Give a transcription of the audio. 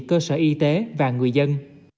cơ sở y tế và người dân